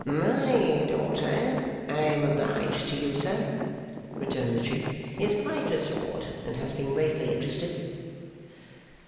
'My daughter, I am obliged to you, sir,' returned the Chief, 'is quite restored, and has been greatly interested.